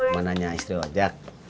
mana nanya istri ojak